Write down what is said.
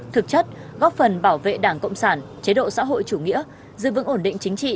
thực chất góp phần bảo vệ đảng cộng sản chế độ xã hội chủ nghĩa giữ vững ổn định chính trị